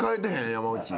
山内。